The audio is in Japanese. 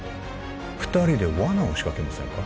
二人でわなを仕掛けませんか？